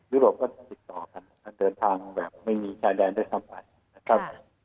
ยุโรปก็ติดต่อกันเดินทางแบบไม่มีชายแดนได้สำหรับ